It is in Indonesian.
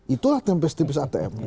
itulah tempes tipis atm